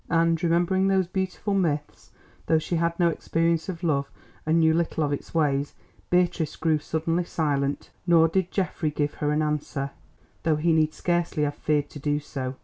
And remembering these beautiful myths, though she had no experience of love, and knew little of its ways, Beatrice grew suddenly silent. Nor did Geoffrey give her an answer, though he need scarcely have feared to do so.